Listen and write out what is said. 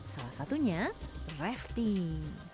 salah satunya rafting